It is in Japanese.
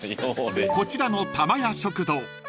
［こちらのたま家食堂］